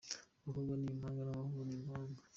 Abakobwa ni impanga n'abahungu ni impanga,.